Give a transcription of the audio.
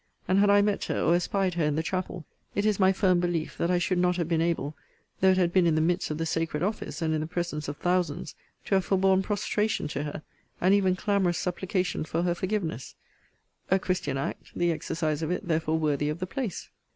And had I met her, or espied her in the chapel, it is my firm belief that I should not have been able (though it had been in the midst of the sacred office, and in the presence of thousands) to have forborne prostration to her, and even clamorous supplication for her forgiveness: a christian act; the exercise of it therefore worthy of the place.